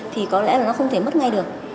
thì có lẽ là nó không thể mất ngay được